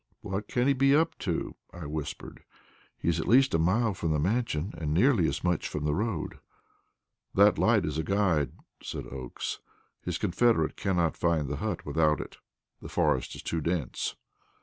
"What can he be up to?" I whispered. "He is at least a mile from the Mansion, and nearly as much from the road." "That light is a guide," said Oakes. "His confederate cannot find the hut without it; the forest is too dense."